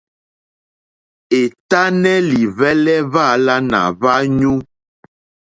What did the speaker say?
È tánɛ́ lìhwɛ́lɛ́ hwáàlánà hwáɲú.